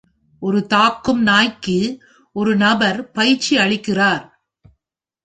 ஒரு தாக்கும் நாய்க்கு ஒரு நபர் பயிற்சி அளிக்கிறார்